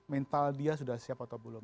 mental dia sudah siap atau belum